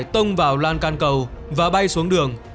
tông vào lan can cầu và bay xuống đường